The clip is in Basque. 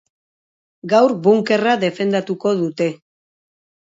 Gaur bunkerra defendatuko dute.